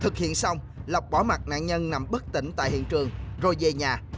thực hiện xong lộc bỏ mặt nạn nhân nằm bất tỉnh tại hiện trường rồi về nhà